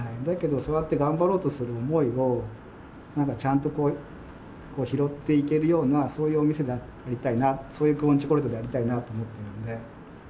だけどそうやって頑張ろうとする思いを何かちゃんとこう拾っていけるようなそういうお店でありたいなそういう「久遠チョコレート」でありたいなと思っているので。